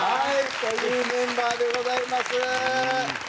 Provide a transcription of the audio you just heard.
というメンバーでございます。